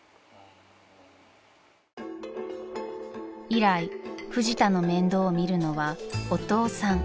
［以来フジタの面倒を見るのはお父さん］